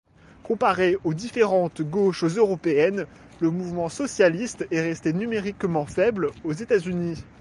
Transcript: Comparé aux différentes gauches européennes, le mouvement socialiste est resté numériquement faible aux États-Unis.